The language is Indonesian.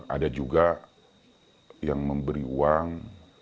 ada juga yang memberi uang